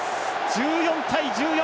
１４対１４。